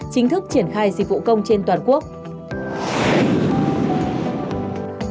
chính thức triển khai dịch vụ công trên toàn quốc